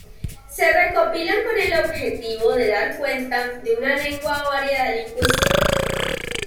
Se recopilan con el objetivo de dar cuenta de una lengua o variedad lingüística.